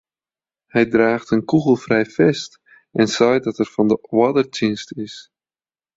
Hy draacht in kûgelfrij fest en seit dat er fan de oardertsjinst is.